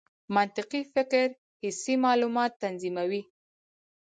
منطقي فکر حسي معلومات تنظیموي.